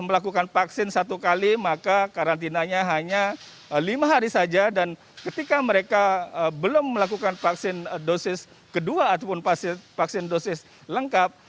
melakukan vaksin satu kali maka karantinanya hanya lima hari saja dan ketika mereka belum melakukan vaksin dosis kedua ataupun vaksin dosis lengkap